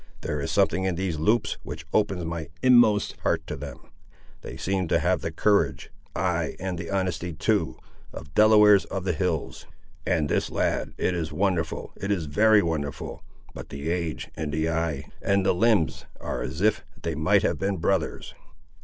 There is something in these Loups which opens my inmost heart to them; they seem to have the courage, ay, and the honesty, too, of the Delawares of the hills. And this lad—it is wonderful, it is very wonderful; but the age, and the eye, and the limbs are as if they might have been brothers!